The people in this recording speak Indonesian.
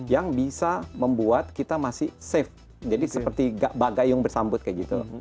yang bisa membuat kita masih safe jadi seperti bagayung bersambut kayak gitu